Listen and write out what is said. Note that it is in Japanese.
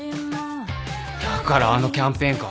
だからあのキャンペーンか。